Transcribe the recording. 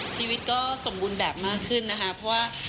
ชีวิตก็สมบูรณ์แบบมากขึ้นนะคะเพราะว่า